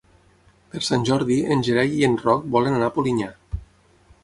Per Sant Jordi en Gerai i en Roc volen anar a Polinyà.